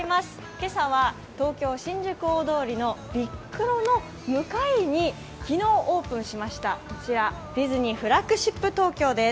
今朝は東京・新宿大通りのビックロの向かいに昨日オープンしました、こちら、ディズニーフラッグシップ東京です。